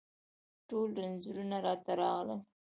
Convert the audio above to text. ټول رنځونه راته راغلل